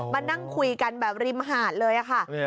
มานั่งคุยกันแบบริมหาดเลยค่ะ